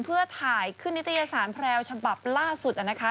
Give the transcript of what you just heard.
เพื่อถ่ายขึ้นนิตยสารแพรวฉบับล่าสุดนะคะ